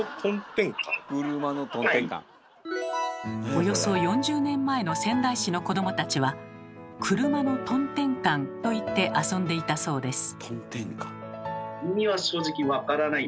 およそ４０年前の仙台市の子どもたちは「くるまのとんてんかん」と言って遊んでいたそうです。